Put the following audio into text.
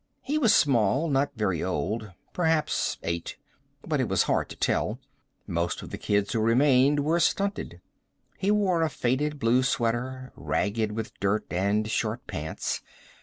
He was small, not very old. Perhaps eight. But it was hard to tell. Most of the kids who remained were stunted. He wore a faded blue sweater, ragged with dirt, and short pants.